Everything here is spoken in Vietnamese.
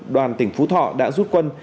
đoàn tỉnh phú thọ đã rút quân